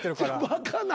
バカな。